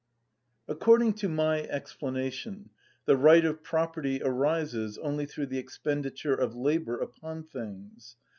According to my explanation, the right of property arises only through the expenditure of labour upon things.